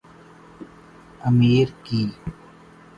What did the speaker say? امیر کی